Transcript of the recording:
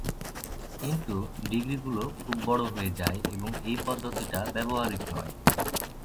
কিন্তু, ডিগ্রিগুলো খুব বড় হয়ে যায় এবং এই পদ্ধতিটা ব্যবহারিক নয়।